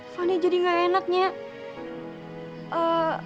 fany jadi gak enaknya